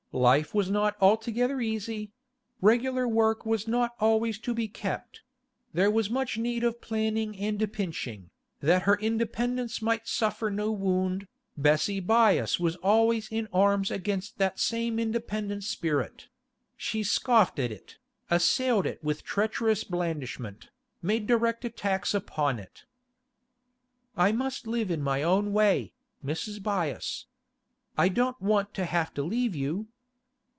Life was not altogether easy; regular work was not always to be kept; there was much need of planning and pinching, that her independence might suffer no wound, Bessie Byass was always in arms against that same independent spirit; she scoffed at it, assailed it with treacherous blandishment, made direct attacks upon it. 'I must live in my own way, Mrs. Byass. I don't want to have to leave you.